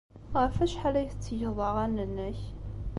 Ɣef wacḥal ay tettgeḍ aɣanen-nnek?